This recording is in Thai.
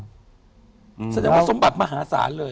สัญญาณว่าสมบัติมหาศาลเลย